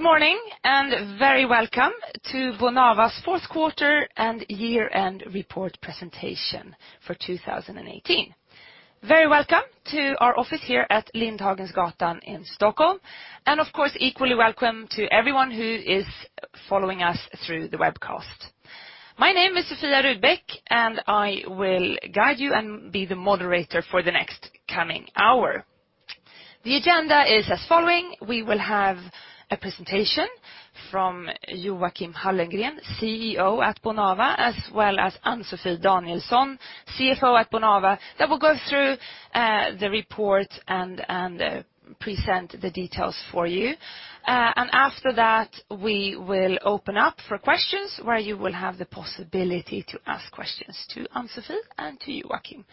Good morning, very welcome to Bonava's fourth quarter and year-end report presentation for 2018. Very welcome to our office here at Lindhagensgatan in Stockholm, of course, equally welcome to everyone who is following us through the webcast. My name is Sofia Rudbeck, I will guide you and be the moderator for the next coming hour. The agenda is as following. We will have a presentation from Joachim Hallengren, CEO at Bonava, as well as Ann-Sofi Danielsson, CFO at Bonava, that will go through the report and present the details for you. After that, we will open up for questions where you will have the possibility to ask questions to Ann-Sofi and to Joachim.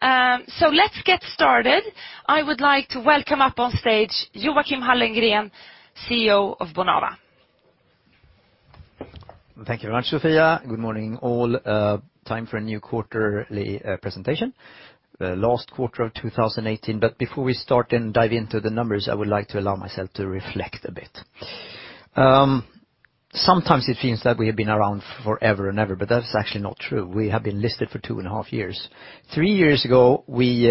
Let's get started. I would like to welcome up on stage Joachim Hallengren, CEO of Bonava. Thank you very much, Sofia. Good morning, all. Time for a new quarterly presentation, the last quarter of 2018. Before we start and dive into the numbers, I would like to allow myself to reflect a bit. Sometimes it seems that we have been around forever and ever, but that's actually not true. We have been listed for two and a half years. Three years ago, we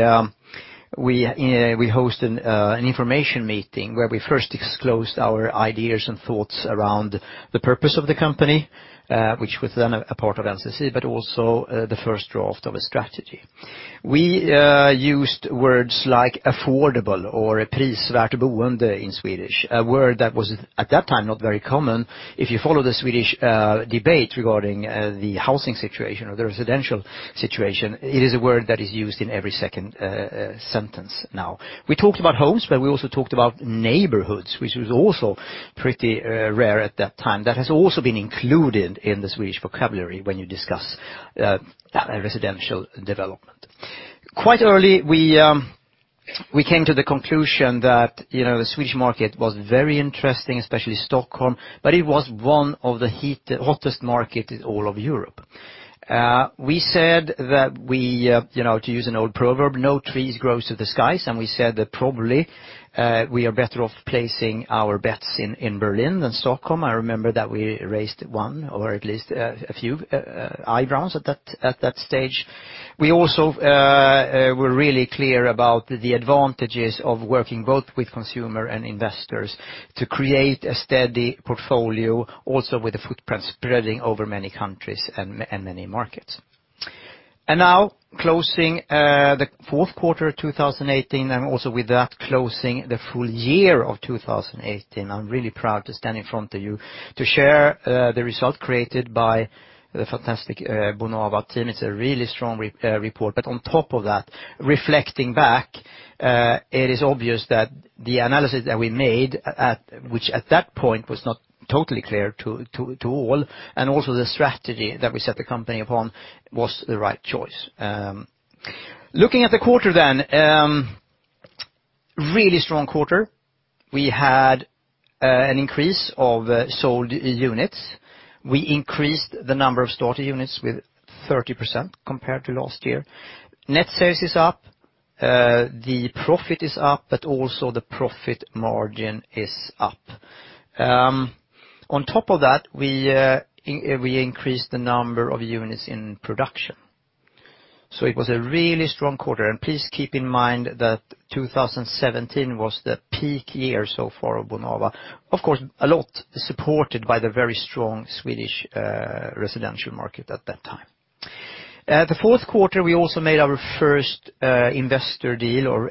hosted an information meeting where we first disclosed our ideas and thoughts around the purpose of the company, which was then a part of NCC, but also the first draft of a strategy. We used words like affordable or "prisvärt boende" in Swedish, a word that was at that time not very common. If you follow the Swedish debate regarding the housing situation or the residential situation, it is a word that is used in every second sentence now. We talked about homes, but we also talked about neighborhoods, which was also pretty rare at that time. That has also been included in the Swedish vocabulary when you discuss residential development. Quite early, we came to the conclusion that the Swedish market was very interesting, especially Stockholm, but it was one of the hottest markets in all of Europe. We said that we, to use an old proverb, no trees grow to the skies, and we said that probably we are better off placing our bets in Berlin than Stockholm. I remember that we raised one or at least a few eyebrows at that stage. We also were really clear about the advantages of working both with consumer and investors to create a steady portfolio, also with the footprint spreading over many countries and many markets. Now closing the fourth quarter 2018, and also with that, closing the full year of 2018. I'm really proud to stand in front of you to share the result created by the fantastic Bonava team. It's a really strong report. On top of that, reflecting back, it is obvious that the analysis that we made, which at that point was not totally clear to all, and also the strategy that we set the company upon, was the right choice. Looking at the quarter then. Really strong quarter. We had an increase of sold units. We increased the number of started units with 30% compared to last year. Net sales is up, the profit is up, but also the profit margin is up. On top of that, we increased the number of units in production. It was a really strong quarter. Please keep in mind that 2017 was the peak year so far of Bonava. Of course, a lot supported by the very strong Swedish residential market at that time. The fourth quarter, we also made our first investor deal or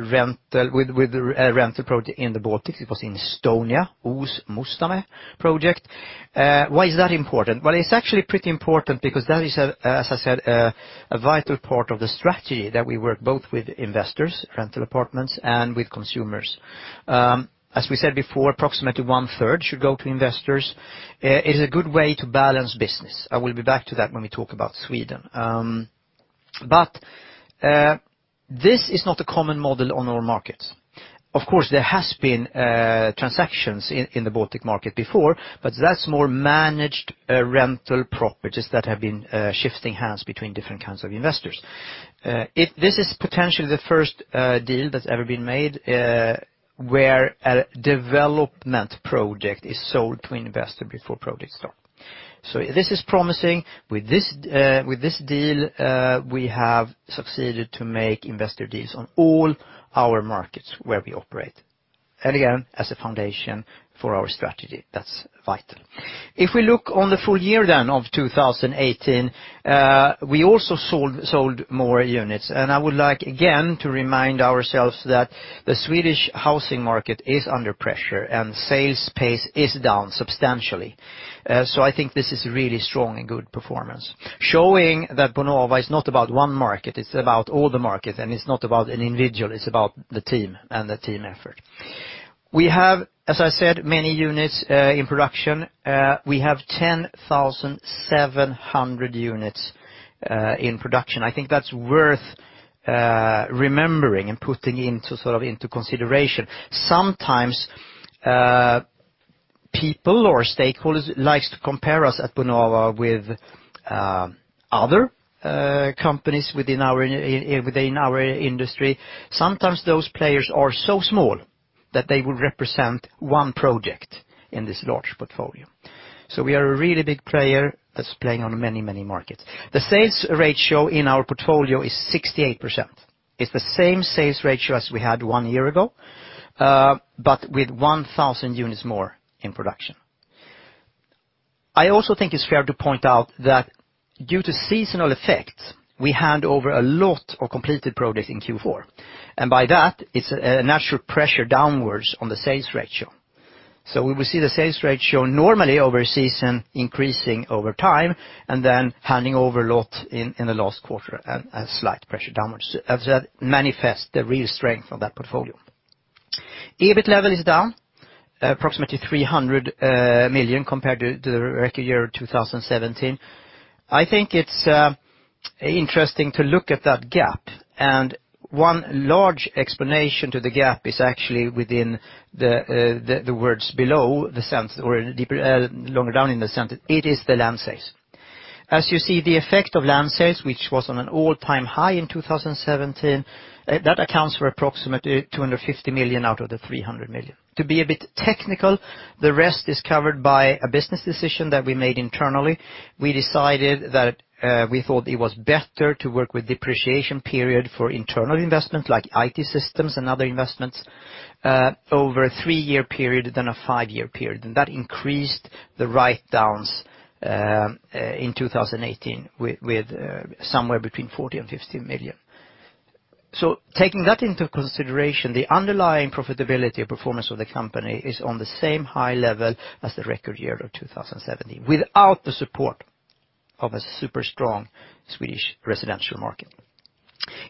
with rental project in the Baltics. It was in Estonia, Uus-Mustamäe project. Why is that important? Well, it's actually pretty important because that is, as I said, a vital part of the strategy that we work both with investors, rental apartments, and with consumers. As we said before, approximately one third should go to investors. It is a good way to balance business. I will be back to that when we talk about Sweden. This is not a common model on all markets. Of course, there has been transactions in the Baltic market before, but that's more managed rental properties that have been shifting hands between different kinds of investors. This is potentially the first deal that's ever been made where a development project is sold to investor before project start. This is promising. With this deal, we have succeeded to make investor deals on all our markets where we operate. Again, as a foundation for our strategy, that's vital. If we look on the full year then of 2018, we also sold more units. I would like, again, to remind ourselves that the Swedish housing market is under pressure, and sales pace is down substantially. I think this is really strong and good performance, showing that Bonava is not about one market, it's about all the markets, and it's not about an individual, it's about the team and the team effort. We have, as I said, many units in production. We have 10,700 units in production. I think that's worth remembering and putting into sort of into consideration. People or stakeholders like to compare us at Bonava with other companies within our industry. Sometimes those players are so small that they would represent one project in this large portfolio. We are a really big player that's playing on many markets. The sales ratio in our portfolio is 68%. It's the same sales ratio as we had one year ago, but with 1,000 units more in production. I also think it's fair to point out that due to seasonal effects, we hand over a lot of completed projects in Q4, and by that, it's a natural pressure downwards on the sales ratio. We will see the sales ratio normally over a season increasing over time, and then handing over a lot in the last quarter, and a slight pressure downwards as that manifests the real strength of that portfolio. EBIT level is down approximately 300 million compared to the record year 2017. I think it's interesting to look at that gap, and one large explanation to the gap is actually within the words below the sentence, or longer down in the sentence. It is the land sales. You see, the effect of land sales, which was on an all-time high in 2017, that accounts for approximately 250 million out of the 300 million. To be a bit technical, the rest is covered by a business decision that we made internally. We decided that we thought it was better to work with depreciation period for internal investments like IT systems and other investments over a three-year period than a five-year period. That increased the write-downs in 2018 with somewhere between 40 million and 50 million. Taking that into consideration, the underlying profitability or performance of the company is on the same high level as the record year of 2017, without the support of a super strong Swedish residential market.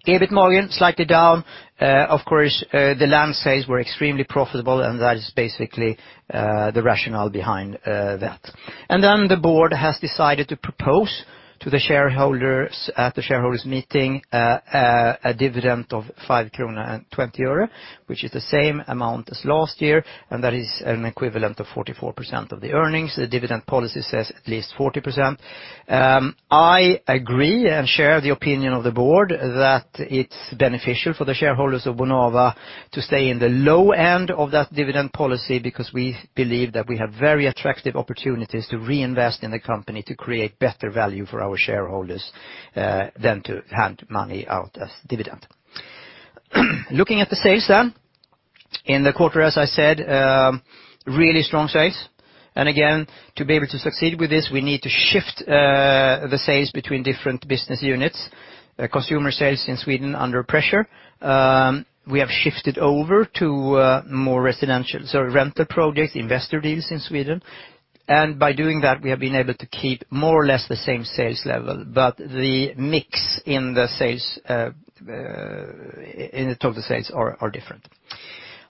EBIT margin, slightly down. Of course, the land sales were extremely profitable, that is basically the rationale behind that. The board has decided to propose to the shareholders at the shareholders' meeting a dividend of SEK 5.20, which is the same amount as last year, that is an equivalent of 44% of the earnings. The dividend policy says at least 40%. I agree and share the opinion of the board that it's beneficial for the shareholders of Bonava to stay in the low end of that dividend policy because we believe that we have very attractive opportunities to reinvest in the company to create better value for our shareholders than to hand money out as dividend. Looking at the sales. In the quarter, as I said, really strong sales. Again, to be able to succeed with this, we need to shift the sales between different business units. Consumer sales in Sweden under pressure. We have shifted over to more residential, so renter projects, investor deals in Sweden. By doing that, we have been able to keep more or less the same sales level, the mix in the total sales are different.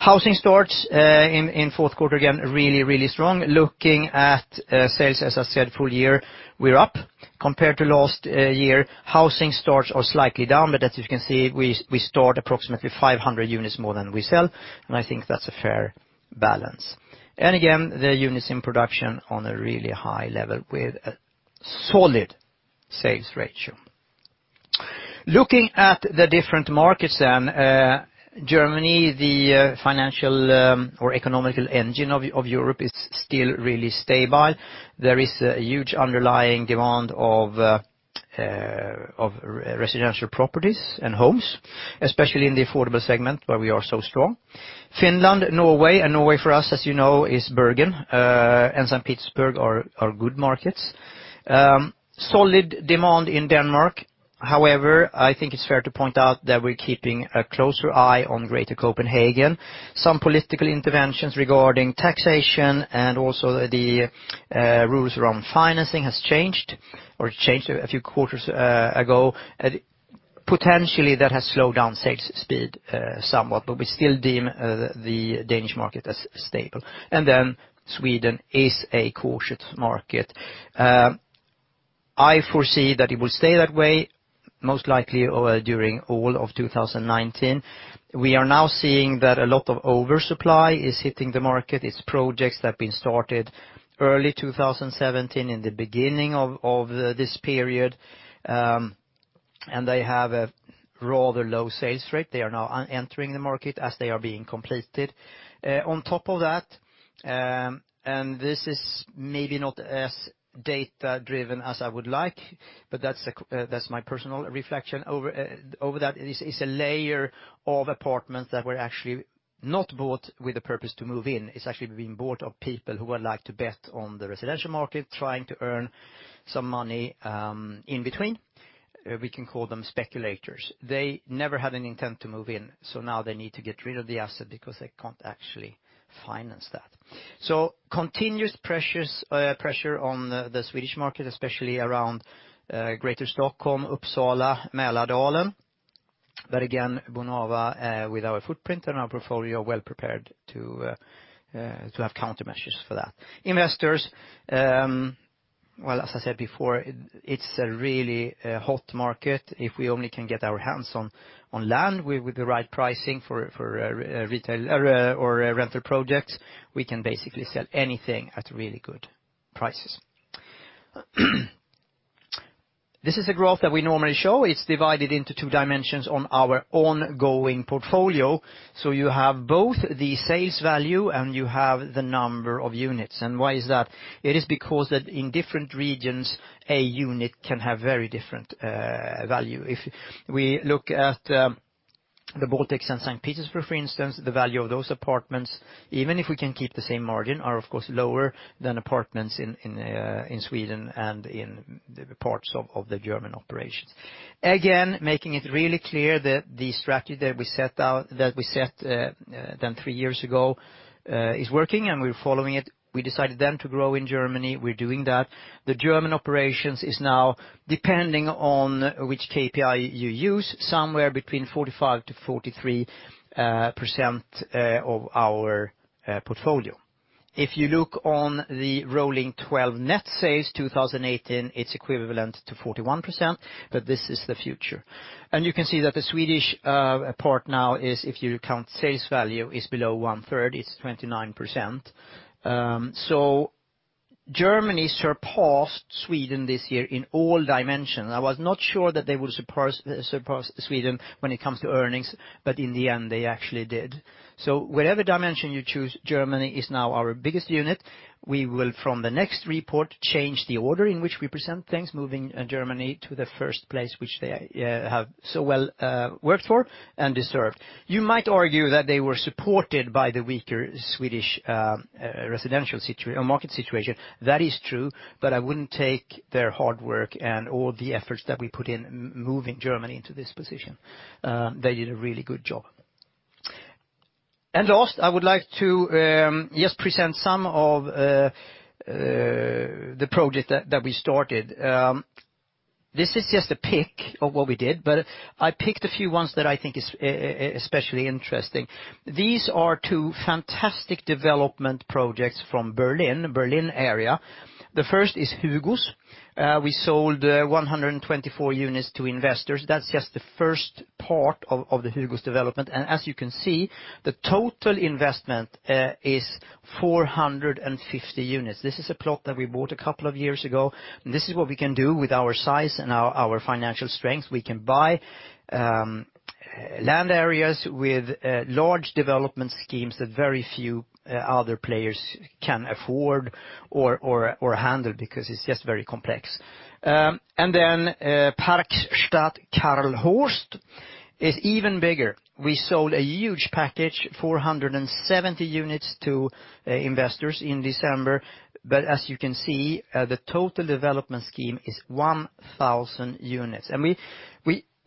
Housing starts in fourth quarter, again, really strong. Looking at sales, as I said, full year, we're up compared to last year. Housing starts are slightly down, but as you can see, we start approximately 500 units more than we sell, I think that's a fair balance. Again, the units in production on a really high level with a solid sales ratio. Looking at the different markets. Germany, the financial or economical engine of Europe, is still really stable. There is a huge underlying demand of residential properties and homes, especially in the affordable segment where we are so strong. Finland, Norway for us, as you know, is Bergen. St. Petersburg are good markets. Solid demand in Denmark. However, I think it's fair to point out that we're keeping a closer eye on Greater Copenhagen. Some political interventions regarding taxation and also the rules around financing has changed, or it changed a few quarters ago. Potentially, that has slowed down sales speed somewhat, we still deem the Danish market as stable. Sweden is a cautious market. I foresee that it will stay that way most likely during all of 2019. We are now seeing that a lot of oversupply is hitting the market. It's projects that have been started early 2017 in the beginning of this period, they have a rather low sales rate. They are now entering the market as they are being completed. On top of that, and this is maybe not as data-driven as I would like, but that's my personal reflection over that. It's a layer of apartments that were actually not bought with the purpose to move in. It's actually being bought by people who would like to bet on the residential market, trying to earn some money in between. We can call them speculators. They never had any intent to move in, so now they need to get rid of the asset because they can't actually finance that. Continuous pressure on the Swedish market, especially around Greater Stockholm, Uppsala, Mälardalen. Again, Bonava with our footprint and our portfolio, well prepared to have countermeasures for that. Investors Well, as I said before, it's a really hot market. If we only can get our hands on land with the right pricing for retail or rental projects, we can basically sell anything at really good prices. This is a graph that we normally show. It's divided into two dimensions on our ongoing portfolio. You have both the sales value and you have the number of units. Why is that? It is because in different regions, a unit can have very different value. If we look at the Baltics and St. Petersburg, for instance, the value of those apartments, even if we can keep the same margin, are of course lower than apartments in Sweden and in parts of the German operations. Making it really clear that the strategy that we set then three years ago is working, and we're following it. We decided then to grow in Germany. We're doing that. The German operations is now, depending on which KPI you use, somewhere between 45%-43% of our portfolio. If you look on the rolling 12 net sales 2018, it's equivalent to 41%. This is the future. You can see that the Swedish part now is, if you count sales value, is below one-third, it's 29%. Germany surpassed Sweden this year in all dimensions. I was not sure that they would surpass Sweden when it comes to earnings, but in the end, they actually did. Whatever dimension you choose, Germany is now our biggest unit. We will, from the next report, change the order in which we present things, moving Germany to the first place, which they have so well worked for and deserve. You might argue that they were supported by the weaker Swedish residential market situation. That is true, but I wouldn't take their hard work and all the efforts that we put in moving Germany into this position. They did a really good job. Last, I would like to just present some of the projects that we started. This is just a pick of what we did, but I picked a few ones that I think is especially interesting. These are two fantastic development projects from Berlin area. The first is HUGOS. We sold 124 units to investors. That's just the first part of the HUGOS development. As you can see, the total investment is 450 units. This is a plot that we bought a couple of years ago, and this is what we can do with our size and our financial strength. We can buy land areas with large development schemes that very few other players can afford or handle because it's just very complex. Parkstadt Karlshorst is even bigger. We sold a huge package, 470 units to investors in December. But as you can see, the total development scheme is 1,000 units.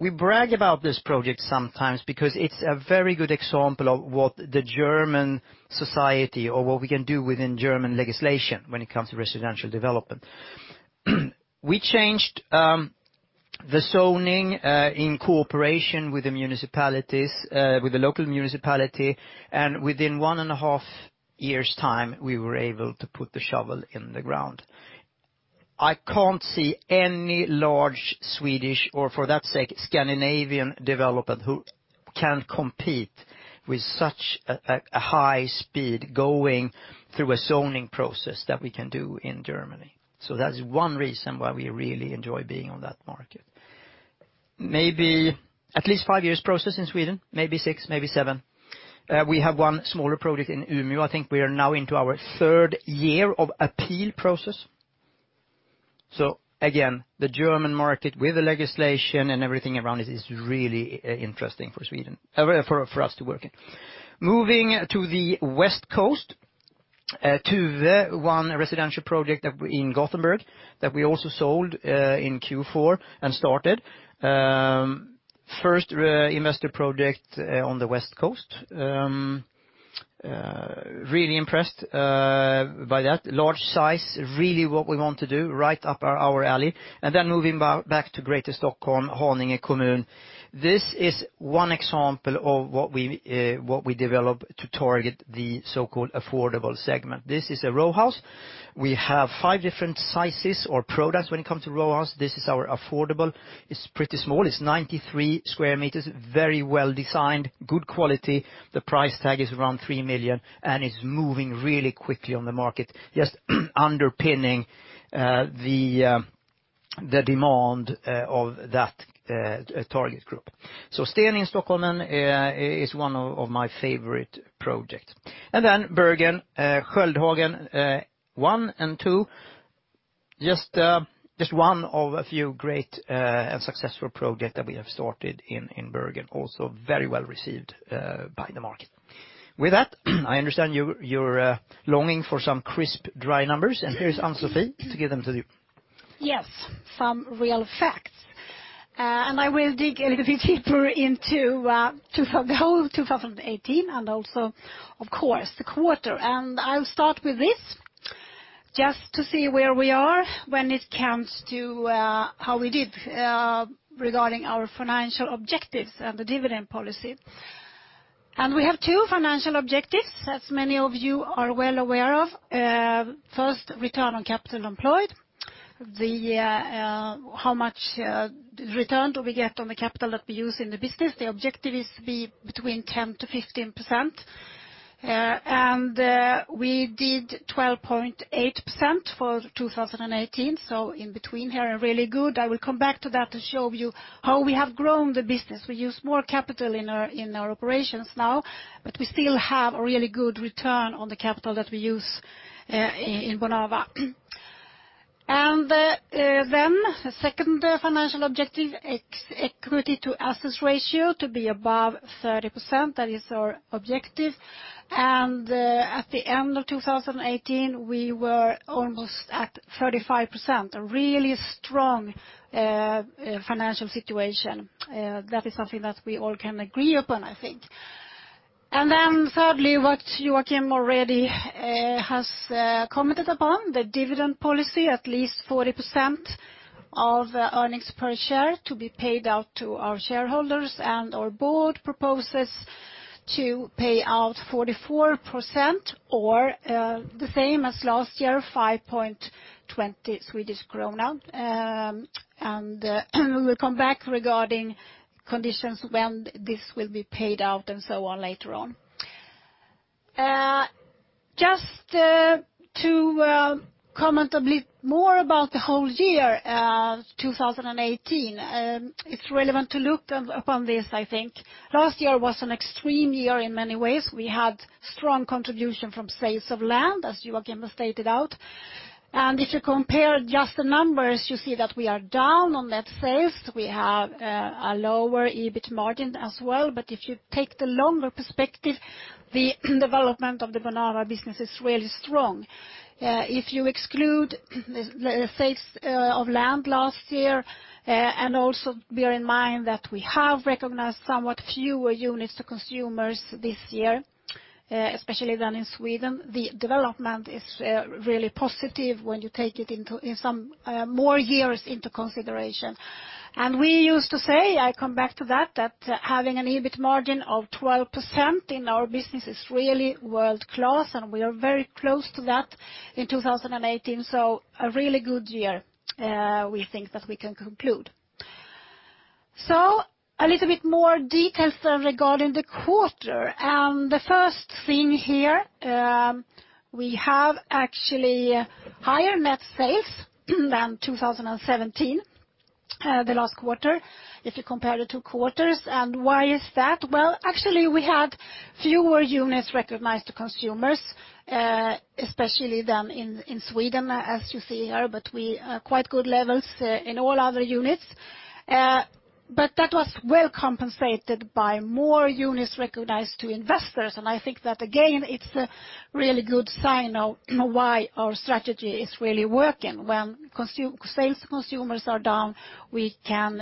We brag about this project sometimes because it's a very good example of what the German society or what we can do within German legislation when it comes to residential development. We changed the zoning in cooperation with the local municipality, and within one and a half years' time, we were able to put the shovel in the ground. I can't see any large Swedish, or for that sake, Scandinavian developer who can compete with such a high speed going through a zoning process that we can do in Germany. That's one reason why we really enjoy being on that market. Maybe at least five years process in Sweden, maybe six, maybe seven. We have one smaller project in Umeå. I think we are now into our third year of appeal process. The German market with the legislation and everything around it is really interesting for us to work in. Moving to the West Coast. Tuve, one residential project in Gothenburg that we also sold in Q4 and started. First investor project on the West Coast. Really impressed by that. Large size, really what we want to do, right up our alley. Moving back to Greater Stockholm, Haninge Kommun. This is one example of what we develop to target the so-called affordable segment. This is a row house. We have five different sizes or products when it comes to row house. This is our affordable. It's pretty small. It's 93 sq m, very well-designed, good quality. The price tag is around 3 million, and it's moving really quickly on the market, just underpinning the demand of that target group. Stenen in Stockholm is one of my favorite projects. Bergen, Skjoldhagen I and II. Just one of a few great and successful projects that we have started in Bergen, also very well received by the market. With that, I understand you're longing for some crisp, dry numbers, and here's Ann-Sofi to give them to you. Yes, some real facts. I will dig a little bit deeper into the whole 2018 and also, of course, the quarter. I'll start with this just to see where we are when it comes to how we did regarding our financial objectives and the dividend policy. We have two financial objectives, as many of you are well aware of. First, return on capital employed. How much return do we get on the capital that we use in the business? The objective is to be between 10%-15%. We did 12.8% for 2018. So in between here and really good. I will come back to that to show you how we have grown the business. We use more capital in our operations now, but we still have a really good return on the capital that we use in Bonava. The second financial objective, equity to assets ratio to be above 30%. That is our objective. At the end of 2018, we were almost at 35%, a really strong financial situation. That is something that we all can agree upon, I think. Thirdly, what Joachim already has commented upon, the dividend policy, at least 40% of earnings per share to be paid out to our shareholders, and our board proposes to pay out 44% or the same as last year, 5.20. We will come back regarding conditions when this will be paid out and so on later on. Just to comment a bit more about the whole year 2018. It is relevant to look upon this, I think. Last year was an extreme year in many ways. We had strong contribution from sales of land, as Joachim stated out. If you compare just the numbers, you see that we are down on net sales. We have a lower EBIT margin as well. If you take the longer perspective, the development of the Bonava business is really strong. If you exclude the sales of land last year, and also bear in mind that we have recognized somewhat fewer units to consumers this year, especially than in Sweden, the development is really positive when you take some more years into consideration. We used to say, I come back to that having an EBIT margin of 12% in our business is really world-class, and we are very close to that in 2018. A really good year we think that we can conclude. A little bit more details regarding the quarter. The first thing here, we have actually higher net sales than 2017, the last quarter, if you compare the two quarters. Why is that? Well, actually, we had fewer units recognized to consumers, especially than in Sweden, as you see here, but quite good levels in all other units. That was well compensated by more units recognized to investors. I think that again, it's a really good sign of why our strategy is really working. When sales to consumers are down, we can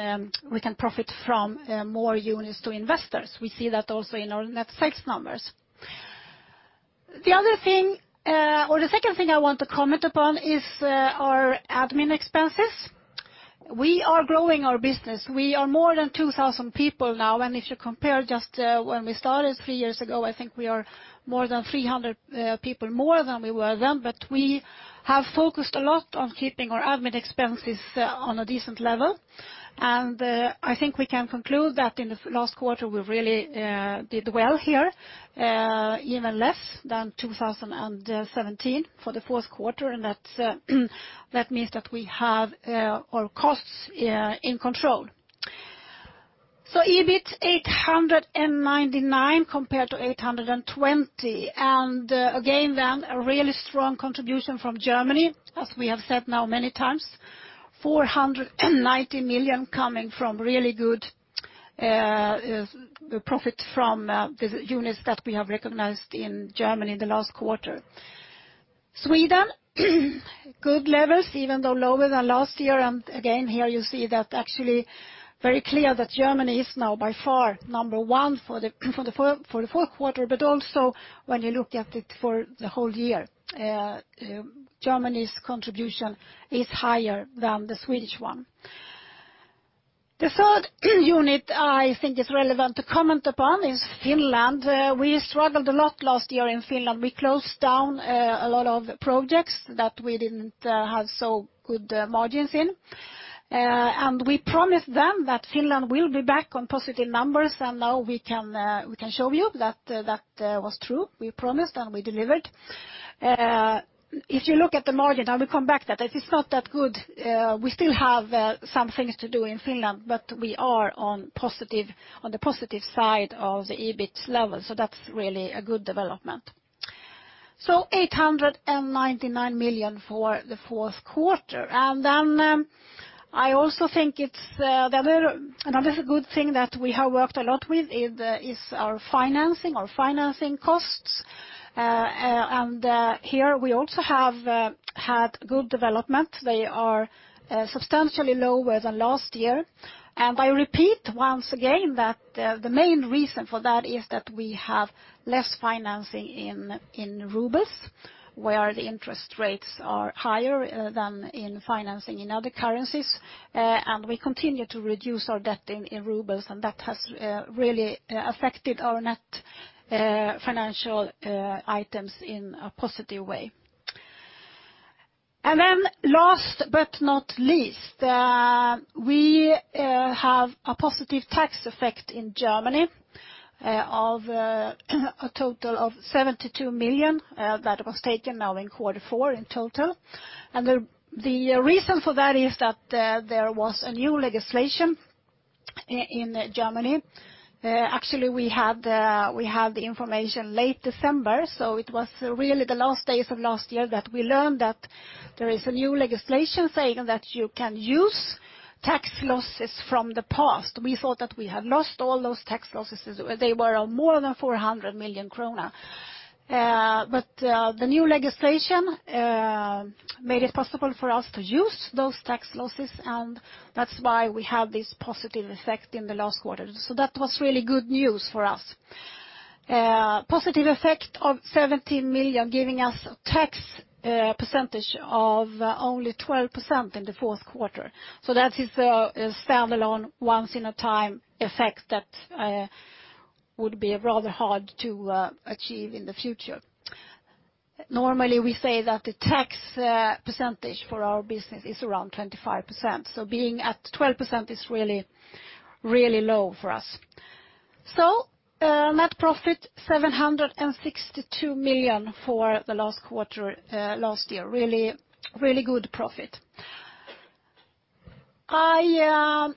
profit from more units to investors. We see that also in our net sales numbers. The second thing I want to comment upon is our admin expenses. We are growing our business. We are more than 2,000 people now, and if you compare just when we started three years ago, I think we are more than 300 people more than we were then. We have focused a lot on keeping our admin expenses on a decent level. I think we can conclude that in the last quarter, we really did well here, even less than 2017 for the fourth quarter, and that means that we have our costs in control. EBIT 899 compared to 820. Again, a really strong contribution from Germany, as we have said now many times, 490 million coming from really good profit from the units that we have recognized in Germany in the last quarter. Sweden, good levels, even though lower than last year. Again, here you see that actually very clear that Germany is now by far number one for the fourth quarter, but also when you look at it for the whole year. Germany's contribution is higher than the Swedish one. The third unit I think is relevant to comment upon is Finland. We struggled a lot last year in Finland. We closed down a lot of projects that we didn't have so good margins in. We promised them that Finland will be back on positive numbers, now we can show you that that was true. We promised and we delivered. If you look at the margin, I will come back that it is not that good. We still have some things to do in Finland, but we are on the positive side of the EBIT level, that's really a good development. 899 million for the fourth quarter. I also think another good thing that we have worked a lot with is our financing costs. Here we also have had good development. They are substantially lower than last year. I repeat once again that the main reason for that is that we have less financing in RUB where the interest rates are higher than in financing in other currencies. We continue to reduce our debt in RUB, that has really affected our net financial items in a positive way. Last but not least, we have a positive tax effect in Germany of a total of 72 million. That was taken now in quarter four in total. The reason for that is that there was a new legislation in Germany. Actually, we had the information late December, it was really the last days of last year that we learned that there is a new legislation saying that you can use tax losses from the past. We thought that we had lost all those tax losses. They were more than 400 million kronor. The new legislation made it possible for us to use those tax losses, that's why we have this positive effect in the last quarter. That was really good news for us. Positive effect of 17 million, giving us a tax percentage of only 12% in the fourth quarter. That is a standalone once in a time effect that would be rather hard to achieve in the future. Normally, we say that the tax percentage for our business is around 25%, being at 12% is really low for us. Net profit 762 million for the last quarter last year. Really good profit. I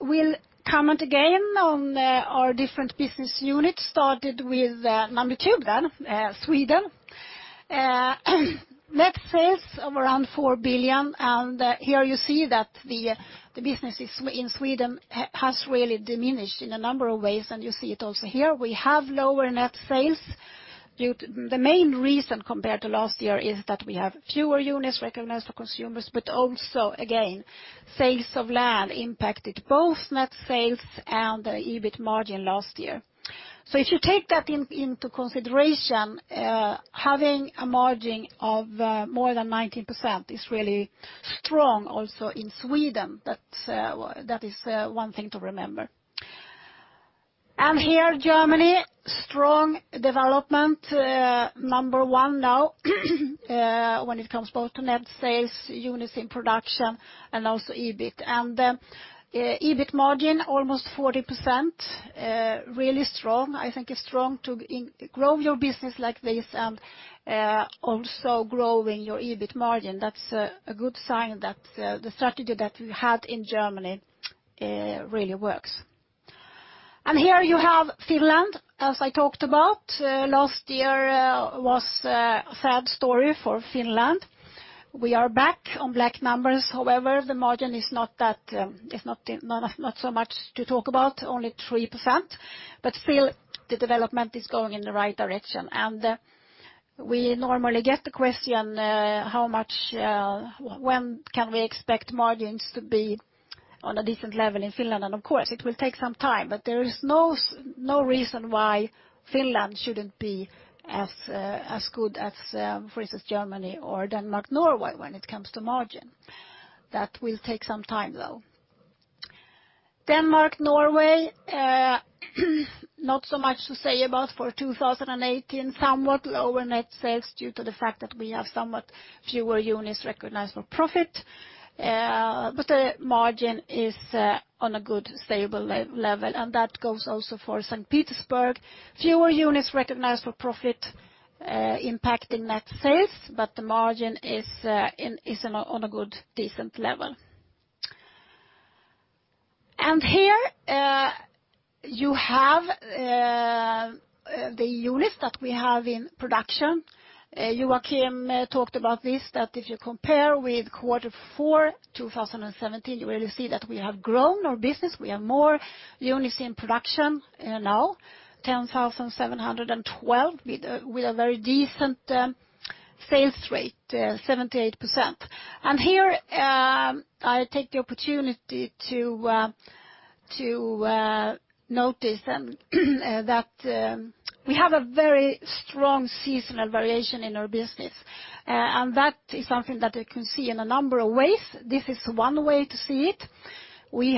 will comment again on our different business units, started with number 2 then, Sweden. Net sales of around 4 billion, here you see that the business in Sweden has really diminished in a number of ways, you see it also here. We have lower net sales. The main reason compared to last year is that we have fewer units recognized for consumers, also, again, sales of land impacted both net sales and the EBIT margin last year. If you take that into consideration, having a margin of more than 19% is really strong also in Sweden. That is one thing to remember. Here, Germany, strong development. Number 1 now when it comes both to net sales, units in production, EBIT. EBIT margin, almost 40%, really strong. I think it's strong to grow your business like this, also growing your EBIT margin. That's a good sign that the strategy that we had in Germany really works. Here you have Finland, as I talked about. Last year was a sad story for Finland. We are back on black numbers. However, the margin is not so much to talk about, only 3%, but still, the development is going in the right direction. We normally get the question, when can we expect margins to be on a decent level in Finland? Of course, it will take some time, but there is no reason why Finland shouldn't be as good as, for instance, Germany or Denmark, Norway, when it comes to margin. That will take some time, though. Denmark, Norway, not so much to say about for 2018. Somewhat lower net sales due to the fact that we have somewhat fewer units recognized for profit. The margin is on a good, stable level, and that goes also for St. Petersburg. Fewer units recognized for profit impacting net sales, the margin is on a good, decent level. Here you have the units that we have in production. Joachim talked about this, that if you compare with quarter four 2017, you will see that we have grown our business. We have more units in production now, 10,712, with a very decent sales rate, 78%. Here I take the opportunity to notice that we have a very strong seasonal variation in our business. That is something that you can see in a number of ways. This is one way to see it. We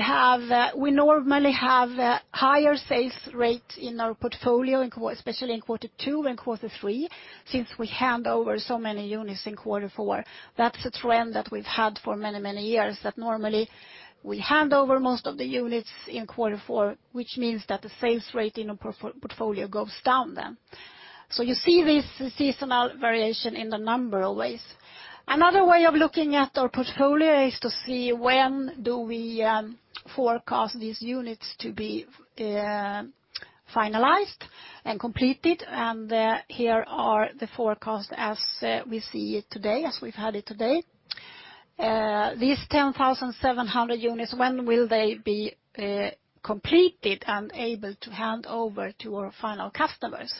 normally have higher sales rate in our portfolio, especially in quarter two and quarter three, since we hand over so many units in quarter four. That's a trend that we've had for many, many years, that normally we hand over most of the units in quarter four. Which means that the sales rate in our portfolio goes down then. You see this seasonal variation in the number always. Another way of looking at our portfolio is to see when do we forecast these units to be finalized and completed. Here are the forecasts as we see it today, as we've had it today. These 10,700 units, when will they be completed and able to hand over to our final customers?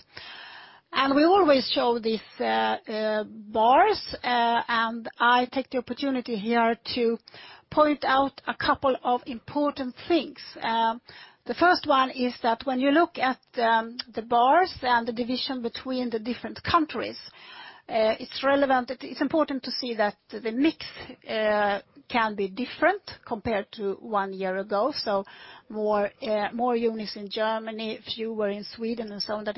We always show these bars, and I take the opportunity here to point out a couple of important things. The first one is that when you look at the bars and the division between the different countries. It's relevant. It's important to see that the mix can be different compared to one year ago. More units in Germany, fewer in Sweden and so on. That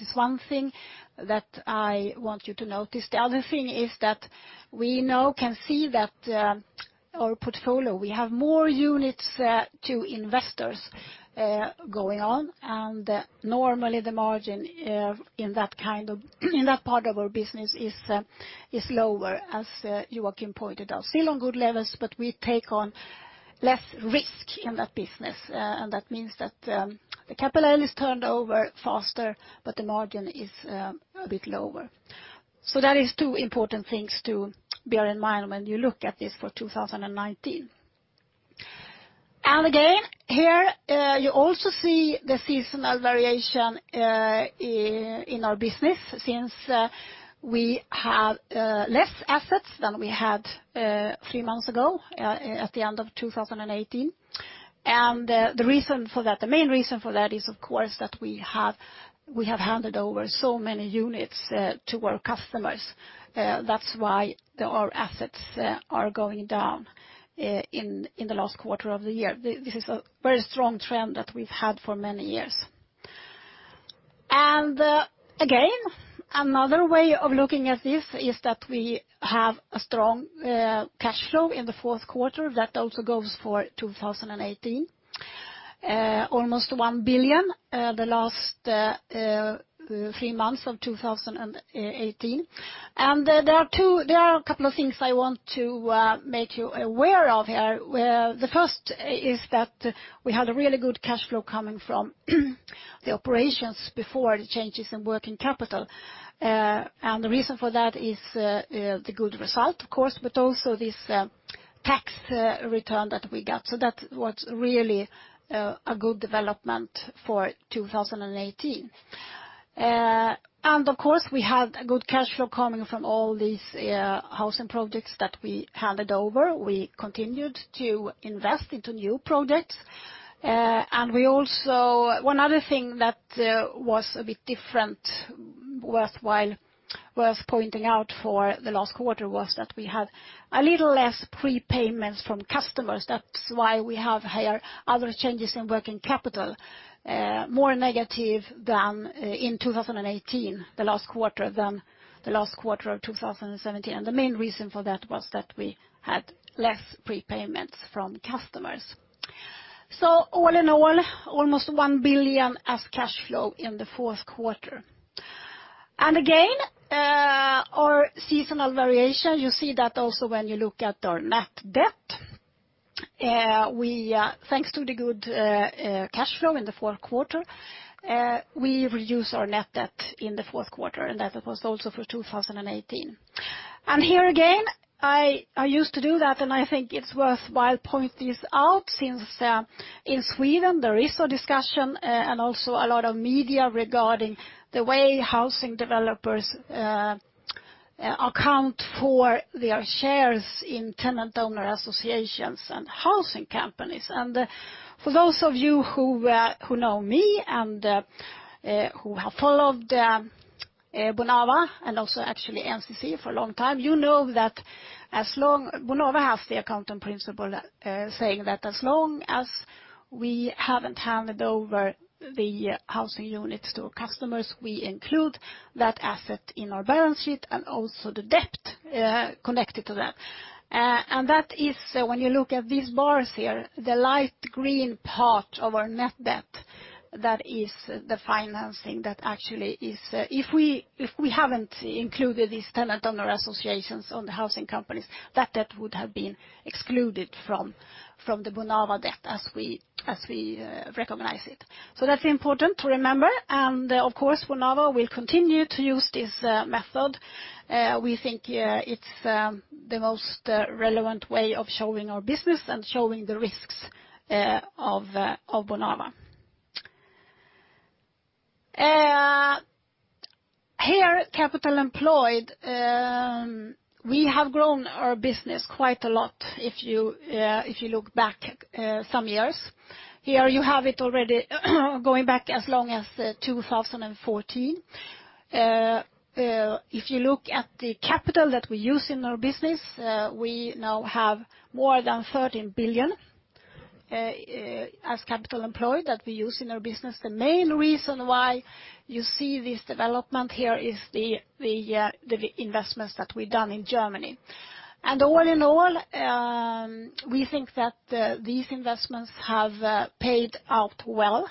is one thing that I want you to notice. The other thing is that we now can see that our portfolio, we have more units to investors going on, and normally the margin in that part of our business is lower, as Joachim pointed out. Still on good levels, but we take on less risk in that business. That means that the capital is turned over faster, but the margin is a bit lower. That is two important things to bear in mind when you look at this for 2019. Again, here, you also see the seasonal variation in our business since we have less assets than we had three months ago at the end of 2018. The main reason for that is, of course, that we have handed over so many units to our customers. That's why our assets are going down in the last quarter of the year. This is a very strong trend that we've had for many years. Again, another way of looking at this is that we have a strong cash flow in the fourth quarter. That also goes for 2018. Almost 1 billion the last three months of 2018. There are a couple of things I want to make you aware of here. The first is that we had a really good cash flow coming from the operations before the changes in working capital. The reason for that is the good result, of course, but also this tax return that we got. That was really a good development for 2018. Of course, we had a good cash flow coming from all these housing projects that we handed over. We continued to invest into new projects. One other thing that was a bit different, worth pointing out for the last quarter was that we had a little less prepayments from customers. That's why we have higher other changes in working capital, more negative in 2018, the last quarter, than the last quarter of 2017. The main reason for that was that we had less prepayments from customers. All in all, almost 1 billion as cash flow in the fourth quarter. Again, our seasonal variation, you see that also when you look at our net debt. Thanks to the good cash flow in the fourth quarter, we reduced our net debt in the fourth quarter. That was also for 2018. Here again, I used to do that, and I think it's worthwhile point this out, since in Sweden, there is a discussion and also a lot of media regarding the way housing developers account for their shares in tenant owner associations and housing companies. For those of you who know me and who have followed Bonava, and also actually NCC for a long time, you know that Bonava has the accounting principle saying that as long as we haven't handed over the housing units to our customers, we include that asset in our balance sheet and also the debt connected to that. That is when you look at these bars here, the light green part of our net debt, that is the financing that actually is. If we haven't included these tenant owner associations on the housing companies, that debt would have been excluded from the Bonava debt as we recognize it. That's important to remember. Of course, Bonava will continue to use this method. We think it's the most relevant way of showing our business and showing the risks of Bonava. Here, capital employed, we have grown our business quite a lot if you look back some years. Here you have it already going back as long as 2014. If you look at the capital that we use in our business, we now have more than 13 billion as capital employed that we use in our business. The main reason why you see this development here is the investments that we've done in Germany. All in all, we think that these investments have paid out well.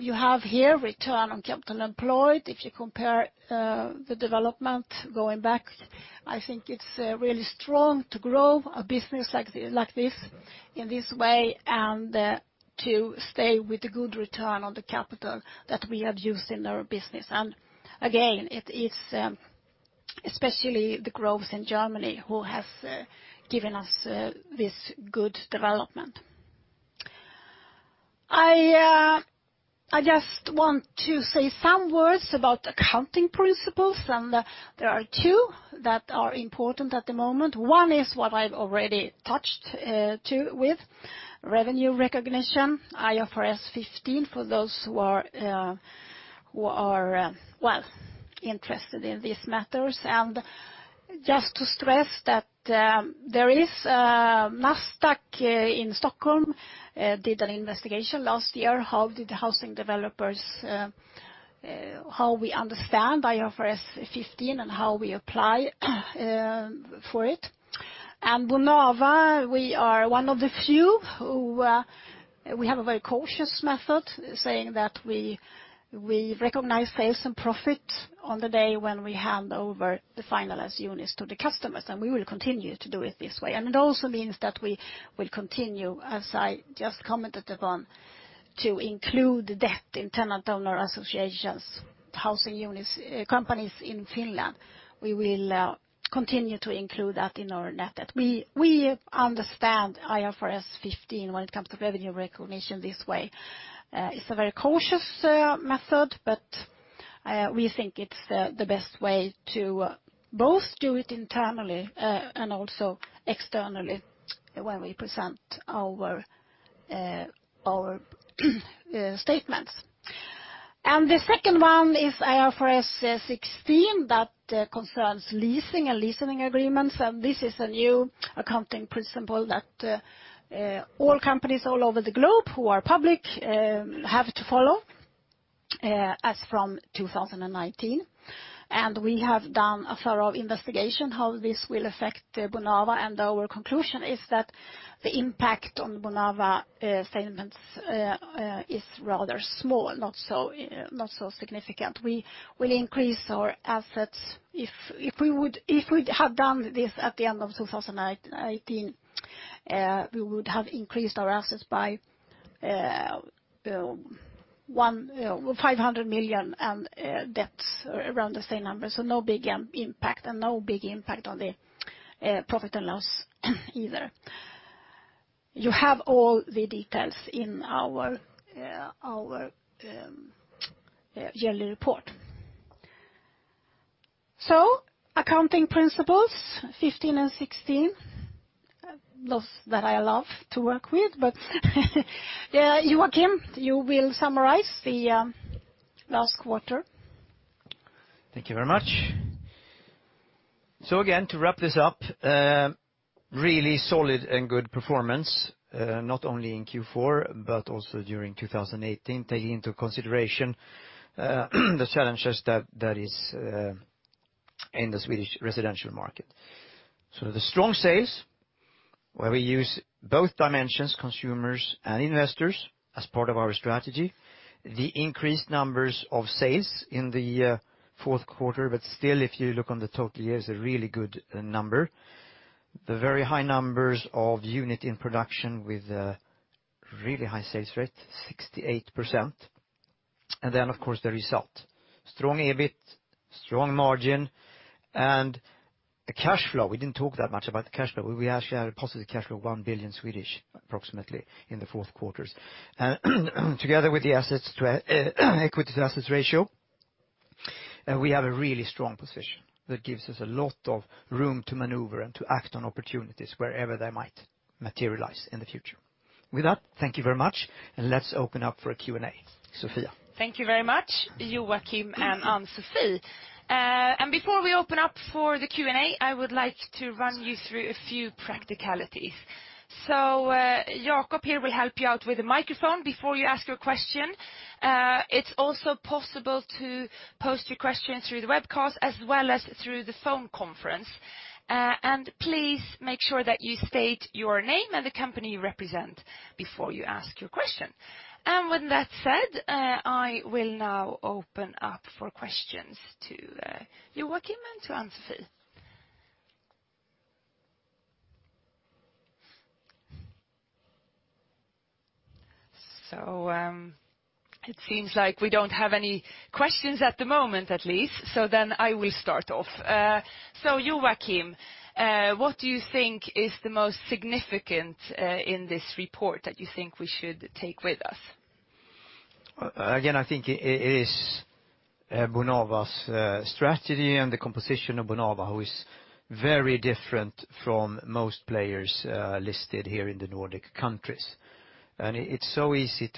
You have here return on capital employed. If you compare the development going back, I think it's really strong to grow a business like this in this way and to stay with the good return on the capital that we have used in our business. Again, it is especially the growth in Germany who has given us this good development. I just want to say some words about accounting principles. There are two that are important at the moment. One is what I've already touched with revenue recognition, IFRS 15, for those who are interested in these matters. Just to stress that Nasdaq in Stockholm did an investigation last year. How housing developers understand IFRS 15 and how we apply for it. Bonava, we are one of the few who have a very cautious method, saying that we recognize sales and profit on the day when we hand over the finalized units to the customers. We will continue to do it this way. It also means that we will continue, as I just commented upon, to include debt in tenant owner associations, housing units, companies in Finland. We will continue to include that in our net debt. We understand IFRS 15 when it comes to revenue recognition this way. It's a very cautious method, but we think it's the best way to both do it internally and externally when we present our statements. The second one is IFRS 16 that concerns leasing and leasing agreements. This is a new accounting principle that all companies all over the globe who are public have to follow as from 2019. We have done a thorough investigation how this will affect Bonava, and our conclusion is that the impact on Bonava statements is rather small, not so significant. We will increase our assets. If we'd have done this at the end of 2018, we would have increased our assets by 500 million and debts around the same number. No big impact, and no big impact on the profit and loss either. You have all the details in our yearly report. Accounting principles 15 and 16, laws that I love to work with, but Joachim, you will summarize the last quarter. Thank you very much. Again, to wrap this up, really solid and good performance, not only in Q4 but also during 2018, taking into consideration the challenges that is in the Swedish residential market. The strong sales, where we use both dimensions, consumers and investors, as part of our strategy. The increased numbers of sales in the fourth quarter. Still, if you look on the total year, it's a really good number. The very high numbers of unit in production with a really high sales rate, 68%. Of course, the result. Strong EBIT, strong margin, and cash flow. We didn't talk that much about the cash flow. We actually had a positive cash flow of 1 billion approximately in the fourth quarters. Together with the equity to assets ratio, we have a really strong position that gives us a lot of room to maneuver and to act on opportunities wherever they might materialize in the future. With that, thank you very much, and let's open up for a Q&A. Sofia. Thank you very much, Joachim and Ann-Sofi. Before we open up for the Q&A, I would like to run you through a few practicalities. Jacob here will help you out with the microphone before you ask your question. It's also possible to post your question through the webcast as well as through the phone conference. Please make sure that you state your name and the company you represent before you ask your question. With that said, I will now open up for questions to Joachim and to Ann-Sofi. It seems like we don't have any questions at the moment, at least. Then I will start off. Joachim, what do you think is the most significant in this report that you think we should take with us? Again, I think it is Bonava's strategy and the composition of Bonava, who is very different from most players listed here in the Nordic countries. It's so easy,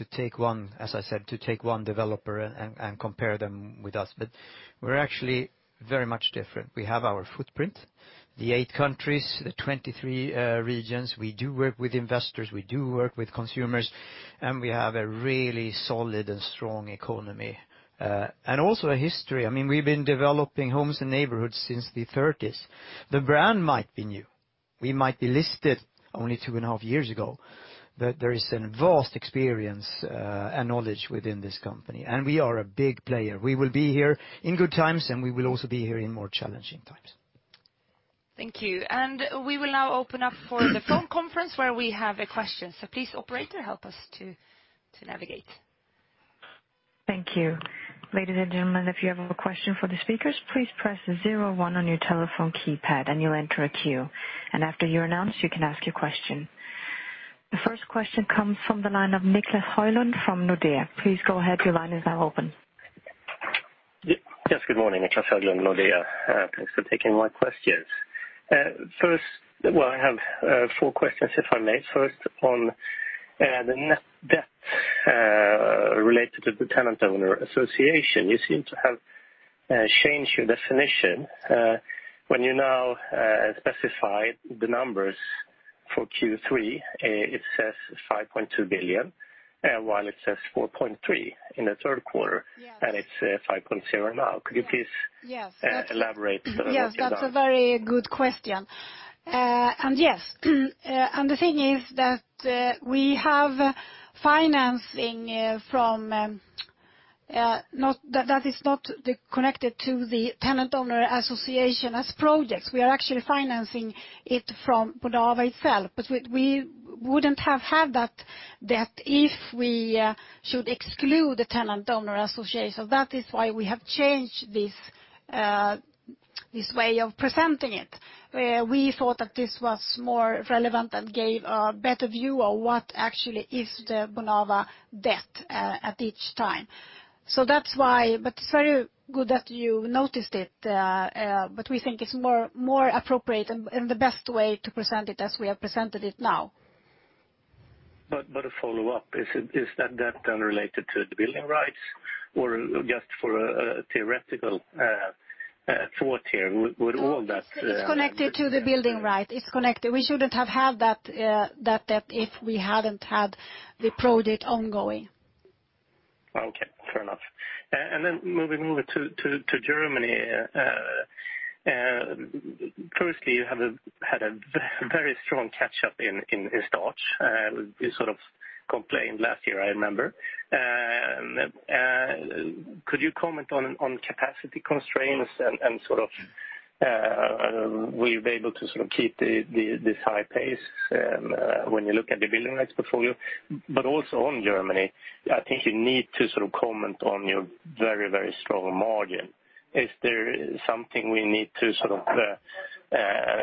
as I said, to take one developer and compare them with us, but we're actually very much different. We have our footprint, the eight countries, the 23 regions. We do work with investors, we do work with consumers, we have a really solid and strong economy. Also a history. We've been developing homes and neighborhoods since the '30s. The brand might be new. We might be listed only two and a half years ago. There is a vast experience and knowledge within this company, we are a big player. We will be here in good times, we will also be here in more challenging times. Thank you. We will now open up for the phone conference where we have a question. Please, operator, help us to navigate. Thank you. Ladies and gentlemen, if you have a question for the speakers, please press zero one on your telephone keypad and you will enter a queue. After you are announced, you can ask your question. The first question comes from the line of Niclas Höglund from Nordea. Please go ahead, your line is now open. Yes, good morning. Niclas Höglund, Nordea. Thanks for taking my questions. First, well, I have four questions, if I may. First, on the net debt Related to the tenant owner association. You seem to have changed your definition when you now specify the numbers for Q3. It says 5.2 billion, while it says 4.3 in the third quarter. Yes It is 5.0 now. Could you please elaborate further on what you have done? Yes, that's a very good question. Yes. The thing is that we have financing that is not connected to the tenant owner association as projects. We are actually financing it from Bonava itself, but we wouldn't have had that debt if we should exclude the tenant owner association. That is why we have changed this way of presenting it, where we thought that this was more relevant and gave a better view of what actually is the Bonava debt at each time. That's why, but it's very good that you noticed it. We think it's more appropriate and the best way to present it as we have presented it now. A follow-up. Is that then related to the building rights or just for a theoretical thought here? Would all of that- It's connected to the building right. It's connected. We shouldn't have had that debt if we hadn't had the project ongoing. Okay, fair enough. Then moving over to Germany. Firstly, you have had a very strong catch-up in starts. You sort of complained last year, I remember. Could you comment on capacity constraints and will you be able to sort of keep this high pace when you look at the building rights portfolio? Also on Germany, I think you need to sort of comment on your very strong margin. Is there something we need to sort of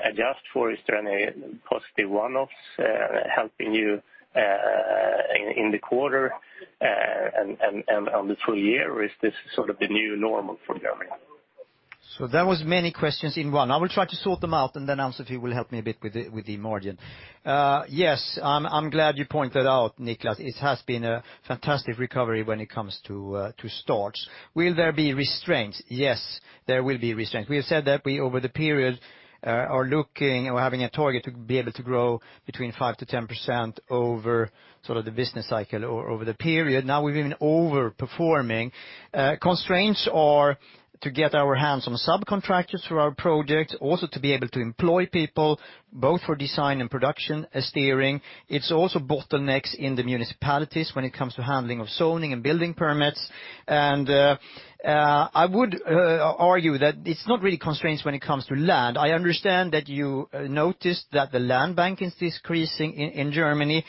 adjust for? Is there any positive one-offs helping you in the quarter and on the full year, or is this sort of the new normal for Germany? That was many questions in one. I will try to sort them out and then Ann-Sofi will help me a bit with the margin. Yes, I am glad you pointed out, Niclas. It has been a fantastic recovery when it comes to starts. Will there be restraints? Yes, there will be restraints. We have said that we, over the period, are looking or having a target to be able to grow between 5%-10% over sort of the business cycle or over the period. Now we are even over-performing. Constraints are to get our hands on subcontractors for our projects, also to be able to employ people both for design and production steering. It is also bottlenecks in the municipalities when it comes to handling of zoning and building permits. I would argue that it is not really constraints when it comes to land. I understand that you noticed that the land banking is decreasing in Germany.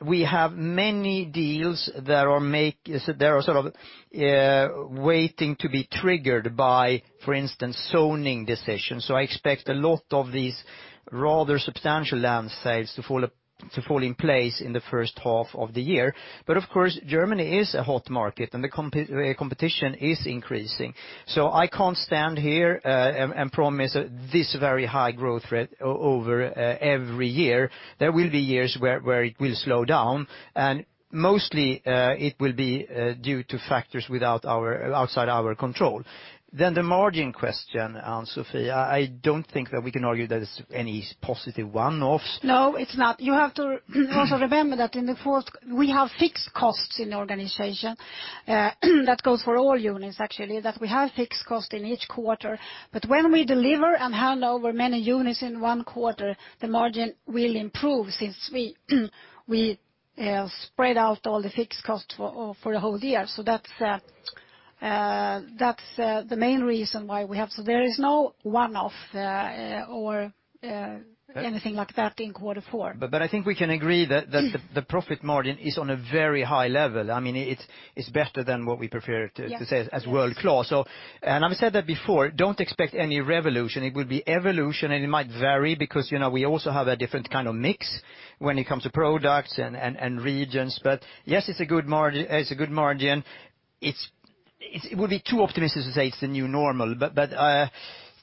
We have many deals that are sort of waiting to be triggered by, for instance, zoning decisions. I expect a lot of these rather substantial land sales to fall in place in the first half of the year. Of course, Germany is a hot market, and the competition is increasing. I cannot stand here and promise this very high growth rate over every year. There will be years where it will slow down, and mostly it will be due to factors outside our control. The margin question, Ann-Sofi. I do not think that we can argue that it is any positive one-offs. No, it is not. You have to also remember that in the fourth, we have fixed costs in the organization. That goes for all units, actually, that we have fixed costs in each quarter. When we deliver and hand over many units in one quarter, the margin will improve since we spread out all the fixed costs for the whole year. That is the main reason why we have. There is no one-off or anything like that in quarter four. I think we can agree that the profit margin is on a very high level. It is better than what we prefer to say as world-class. Yes. I've said that before. Don't expect any revolution. It would be evolution, and it might vary because we also have a different kind of mix when it comes to products and regions. Yes, it's a good margin. It would be too optimistic to say it's the new normal, but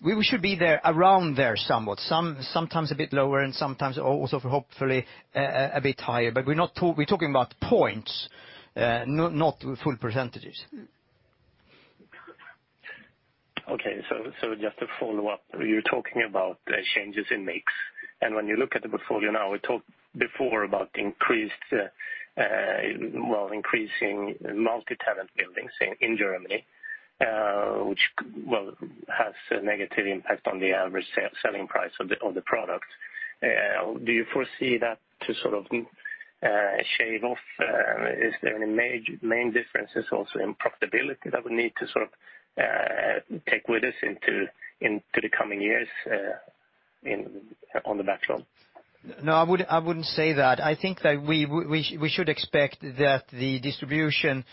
we should be around there somewhat. Sometimes a bit lower and sometimes also hopefully a bit higher. We're talking about points, not full percentages. Just to follow up. You're talking about changes in mix, and when you look at the portfolio now, we talked before about increasing multi-tenant buildings in Germany, which has a negative impact on the average selling price of the product. Do you foresee that to sort of shave off? Is there any main differences also in profitability that we need to sort of take with us into the coming years on the backlog? No, I wouldn't say that. I think that we should expect that the distribution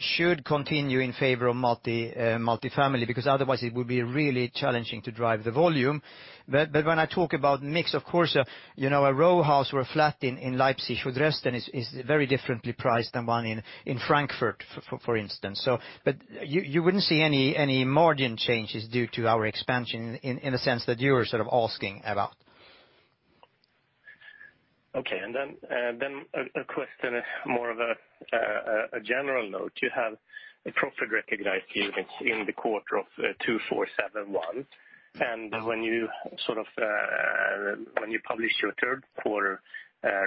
should continue in favor of multifamily because otherwise it would be really challenging to drive the volume. When I talk about mix, of course, a row house or a flat in Leipzig or Dresden is very differently priced than one in Frankfurt, for instance. You wouldn't see any margin changes due to our expansion in the sense that you were sort of asking about. A question, more of a general note. You have a profit recognized units in the quarter of 2,471, and when you published your third quarter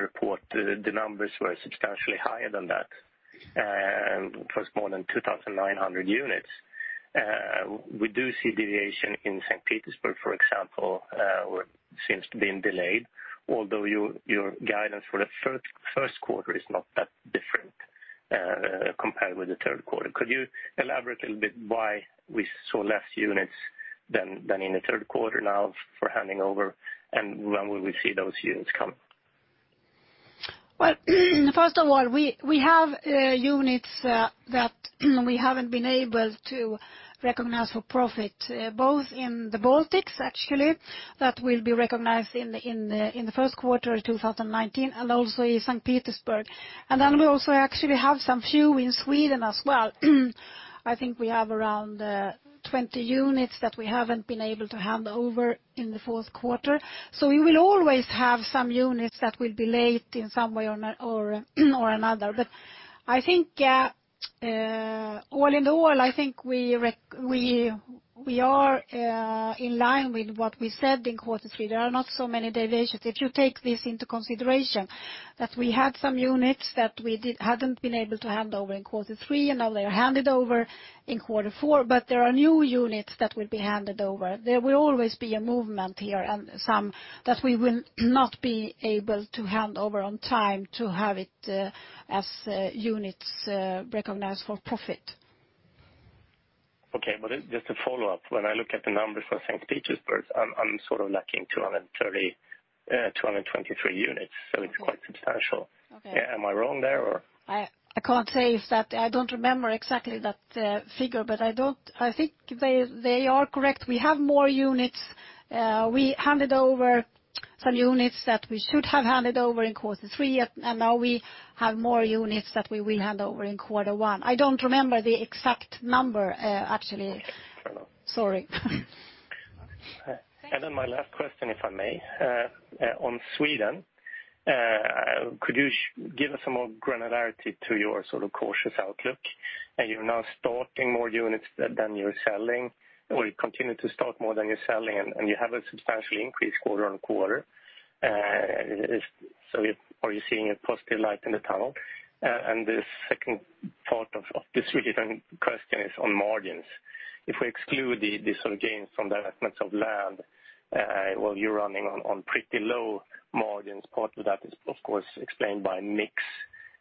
report, the numbers were substantially higher than that. It was more than 2,900 units. We do see deviation in St. Petersburg, for example, where it seems to have been delayed, although your guidance for the first quarter is not that different compared with the third quarter. Could you elaborate a little bit why we saw less units than in the third quarter now for handing over, and when will we see those units coming? Well, first of all, we have units that we haven't been able to recognize for profit, both in the Baltics, actually, that will be recognized in the first quarter 2019, and also in St. Petersburg. We also actually have some few in Sweden as well. I think we have around 20 units that we haven't been able to hand over in the fourth quarter. We will always have some units that will be late in some way or another. All in all, I think we are in line with what we said in quarter three. There are not so many deviations. If you take this into consideration that we had some units that we hadn't been able to hand over in quarter three, and now they are handed over in quarter four, there are new units that will be handed over. There will always be a movement here and some that we will not be able to hand over on time to have it as units recognized for profit. Okay. Just a follow-up. When I look at the numbers for St. Petersburg, I'm lacking 223 units, it's quite substantial. Okay. Am I wrong there, or? I can't say if I don't remember exactly that figure, but I think they are correct. We have more units. We handed over some units that we should have handed over in quarter three, and now we have more units that we will hand over in quarter one. I don't remember the exact number, actually. Fair enough. Sorry. My last question, if I may. On Sweden, could you give us some more granularity to your cautious outlook? You're now stocking more units than you're selling, or you continue to stock more than you're selling, and you have a substantial increase quarter-on-quarter. Are you seeing a positive light in the tunnel? The second part of this related question is on margins. If we exclude the gains from the elements of land, well, you're running on pretty low margins. Part of that is, of course, explained by mix,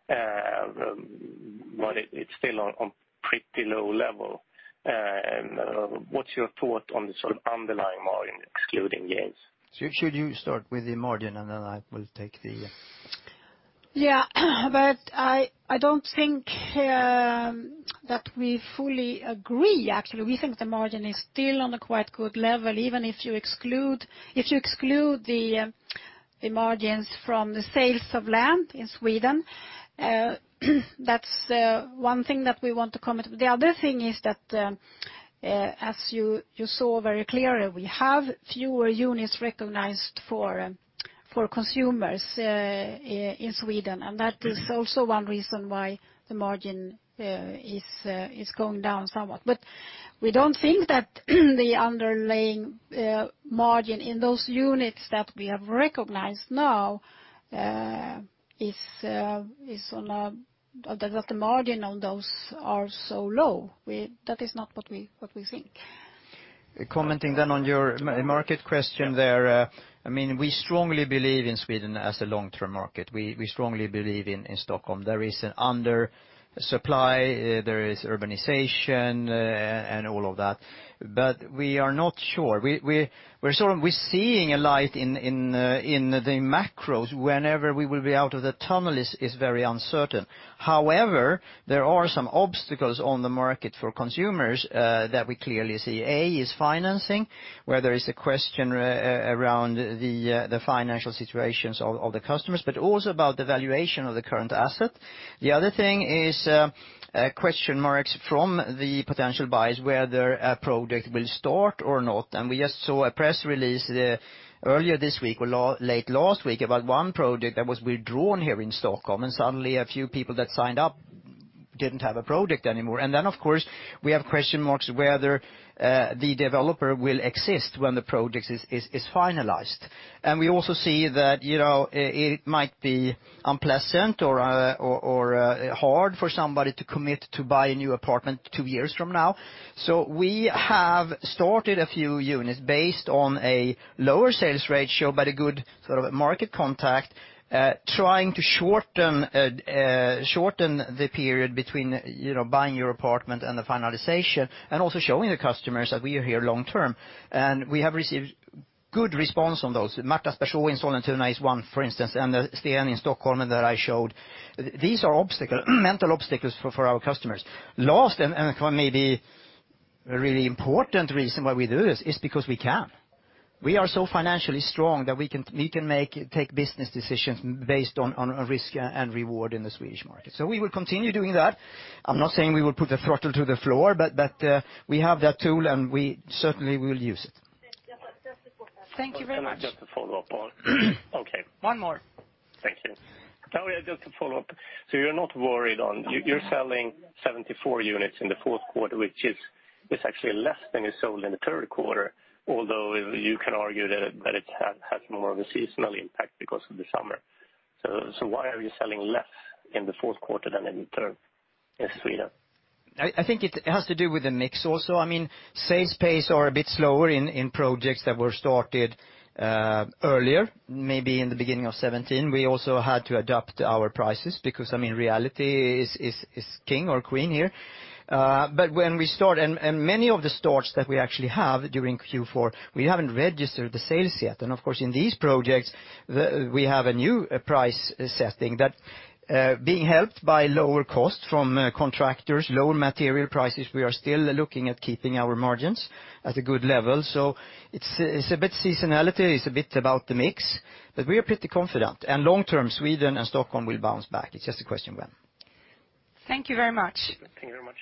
but it's still on pretty low level. What's your thought on the underlying margin, excluding gains? Should you start with the margin, and then I will take the Yeah. I don't think that we fully agree, actually. We think the margin is still on a quite good level, even if you exclude the margins from the sales of land in Sweden. That's one thing that we want to comment. The other thing is that, as you saw very clearly, we have fewer units recognized for consumers in Sweden. That is also one reason why the margin is going down somewhat. We don't think that the underlying margin in those units that we have recognized now, that the margin on those are so low. That is not what we think. Commenting on your market question there. We strongly believe in Sweden as a long-term market. We strongly believe in Stockholm. There is an undersupply, there is urbanization and all of that. We are not sure. We're seeing a light in the macros. Whenever we will be out of the tunnel is very uncertain. However, there are some obstacles on the market for consumers that we clearly see. A is financing, where there is a question around the financial situations of the customers, but also about the valuation of the current asset. The other thing is question marks from the potential buyers whether a project will start or not. We just saw a press release earlier this week or late last week about one project that was withdrawn here in Stockholm, and suddenly a few people that signed up didn't have a project anymore. Of course, we have question marks whether the developer will exist when the project is finalized. We also see that it might be unpleasant or hard for somebody to commit to buy a new apartment two years from now. We have started a few units based on a lower sales ratio, but a good market contact, trying to shorten the period between buying your apartment and the finalization, and also showing the customers that we are here long-term. We have received good response on those. One, for instance, and the Stenen i Stockholm i Stockholm that I showed. These are mental obstacles for our customers. Last, and maybe a really important reason why we do this, is because we can. We are so financially strong that we can take business decisions based on risk and reward in the Swedish market. We will continue doing that. I'm not saying we will put the throttle to the floor, but we have that tool, and we certainly will use it. Thank you very much. Can I just follow up on Okay. One more. Thank you. Can we just follow up? You're not worried? You're selling 74 units in the fourth quarter, which is actually less than you sold in the third quarter, although you can argue that it has more of a seasonal impact because of the summer. Why are you selling less in the fourth quarter than in the third in Sweden? I think it has to do with the mix also. Sales pace is a bit slower in projects that were started earlier, maybe in the beginning of 2017. We also had to adapt our prices because reality is king or queen here. Many of the starts that we actually have during Q4, we haven't registered the sales yet. Of course, in these projects, we have a new price setting that being helped by lower costs from contractors, lower material prices, we are still looking at keeping our margins at a good level. It's a bit seasonality, it's a bit about the mix. We are pretty confident. Long-term, Sweden and Stockholm will bounce back. It's just a question when. Thank you very much. Thank you very much.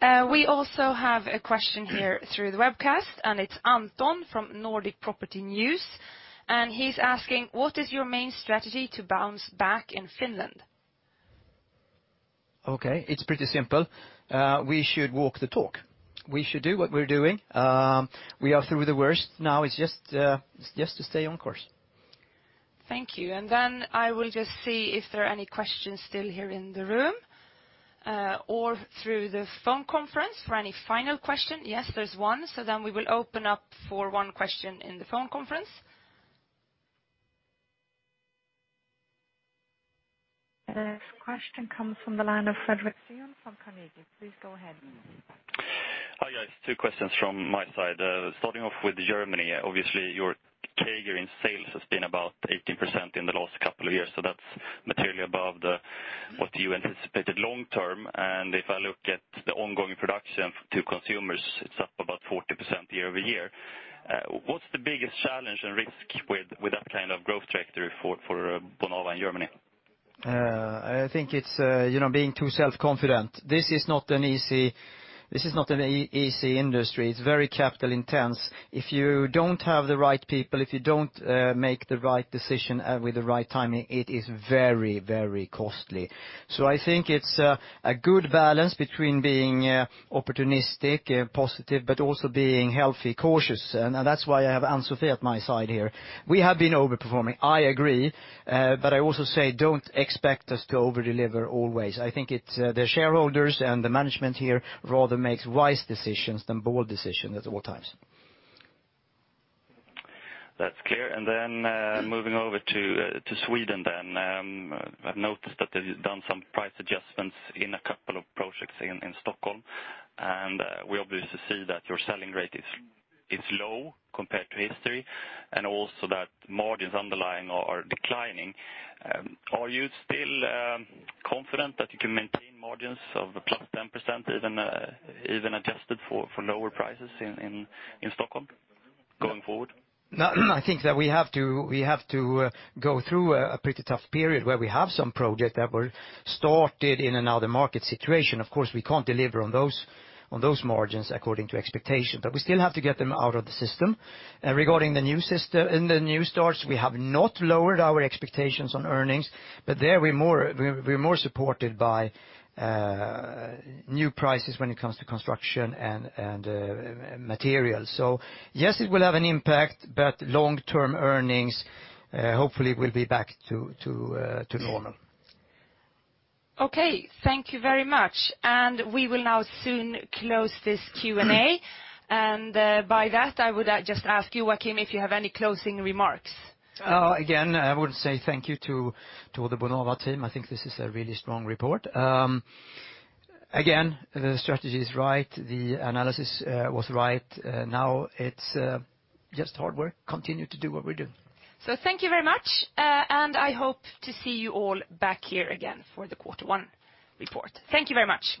We also have a question here through the webcast, and it's Anton from Nordic Property News. He's asking, "What is your main strategy to bounce back in Finland? Okay. It's pretty simple. We should walk the talk. We should do what we are doing. We are through the worst. Now it is just to stay on course. Thank you. I will just see if there are any questions still here in the room, or through the phone conference for any final question. Yes, there is one. We will open up for one question in the phone conference. The next question comes from the line of Fredrik Sund from Carnegie. Please go ahead. Hi, guys. Two questions from my side. Starting off with Germany. Obviously, your CAGR in sales has been about 18% in the last couple of years, so that is materially above what you anticipated long term. If I look at the ongoing production to consumers, it is up about 40% year-over-year. What is the biggest challenge and risk with that kind of growth trajectory for Bonava in Germany? I think it's being too self-confident. This is not an easy industry. It's very capital intense. If you don't have the right people, if you don't make the right decision with the right timing, it is very, very costly. I think it's a good balance between being opportunistic, positive, but also being healthy, cautious. That's why I have Ann-Sofi at my side here. We have been over-performing, I agree. I also say, don't expect us to over-deliver always. I think it's the shareholders and the management here rather makes wise decisions than bold decisions at all times. That's clear. Moving over to Sweden then. I've noticed that you've done some price adjustments in a couple of projects in Stockholm, and we obviously see that your selling rate is low compared to history, and also that margins underlying are declining. Are you still confident that you can maintain margins of 10% even adjusted for lower prices in Stockholm going forward? I think that we have to go through a pretty tough period where we have some project that were started in another market situation. Of course, we can't deliver on those margins according to expectation. We still have to get them out of the system. Regarding in the new starts, we have not lowered our expectations on earnings, there we're more supported by new prices when it comes to construction and material. Yes, it will have an impact, but long-term earnings, hopefully will be back to normal. Okay. Thank you very much. We will now soon close this Q&A, by that I would just ask you, Joachim, if you have any closing remarks? Again, I would say thank you to the Bonava team. I think this is a really strong report. Again, the strategy is right. The analysis was right. Now it's just hard work, continue to do what we're doing. Thank you very much, and I hope to see you all back here again for the quarter one report. Thank you very much.